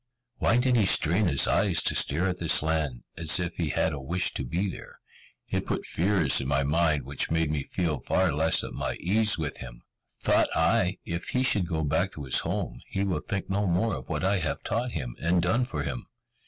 Why did he strain his eyes to stare at this land, as if he had a wish to be there? It put fears in my mind which made me feel far, less at my ease with him. Thought I, if he should go back to his home, he will think no more of what I have taught him, and done for him.